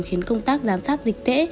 khiến công tác giám sát dịch tễ